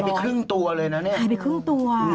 ไปครึ่งตัวเลยนะเนี่ยหายไปครึ่งตัว